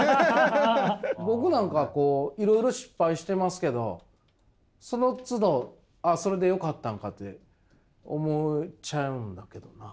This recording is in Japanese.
僕なんかいろいろ失敗してますけどそのつどああそれでよかったんかって思っちゃうんだけどな。